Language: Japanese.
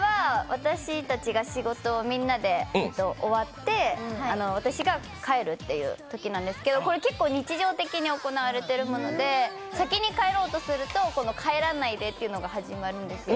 私たちが仕事、皆で終わって私が帰るというときなんですけど、これ結構日常的に行われているもので先に帰ろうとすると、この「帰らないで」というのが始まるんですよ。